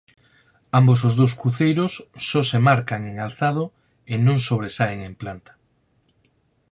Ambos os dous cruceiros só se marcan en alzado e non sobresaen en planta.